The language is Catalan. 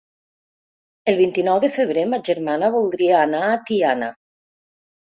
El vint-i-nou de febrer ma germana voldria anar a Tiana.